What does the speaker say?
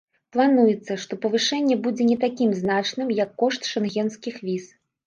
Плануецца, што павышэнне будзе не такім значным, як кошт шэнгенскіх віз.